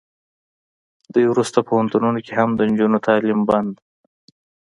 دوی ورسته پوهنتونونو کې هم د نجونو تعلیم بند